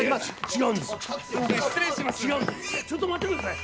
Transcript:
違うんですちょっと待ってください。